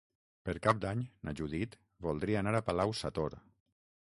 Per Cap d'Any na Judit voldria anar a Palau-sator.